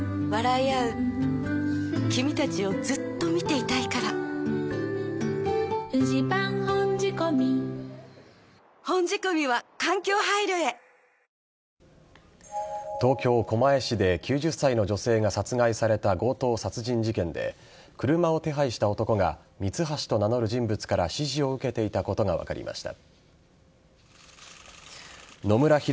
また、死亡した伊藤さんの車は東京・狛江市で９０歳の女性が殺害された強盗殺人事件で車を手配した男がミツハシと名乗る人物から指示を受けていたことが分かりました。